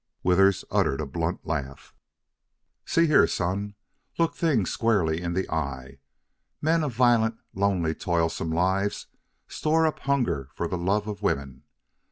Withers uttered a blunt laugh. "See here, son, look things square in the eye. Men of violent, lonely, toilsome lives store up hunger for the love of woman.